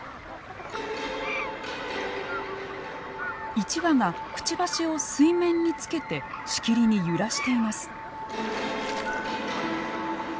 １羽がくちばしを水面につけてしきりに揺らしています。